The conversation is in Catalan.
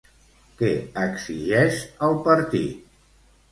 Què exigeix al partit?